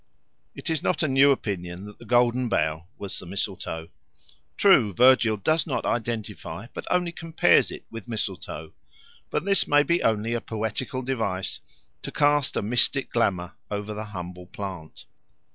It is not a new opinion that the Golden Bough was the mistletoe. True, Virgil does not identify but only compares it with mistletoe. But this may be only a poetical device to cast a mystic glamour over the humble plant.